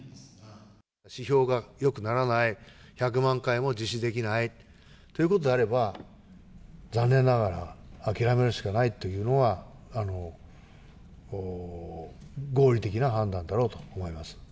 指標がよくならない、１００万回も実施できないということであれば、残念ながら諦めるしかないというのは、合理的な判断だろうと思います。